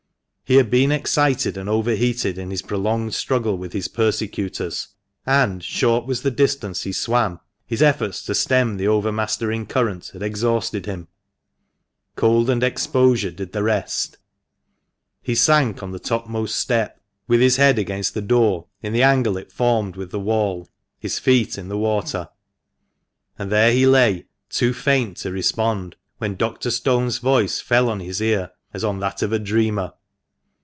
He had been excited and over heated in his prolonged struggle with his persecutors, and, short as was the distance he swam, his efforts to stem the overmastering current had exhausted him, Cold and exposure did the rest. He sank on the topmost I '—' THE MANCHESTER MAN. 117 step with his head against the door, in the angle it formed with the wall, his feet in the water ; and there he lay, too faint to respond when Dr. Stone's voice fell on his ear as on that of a dreamer.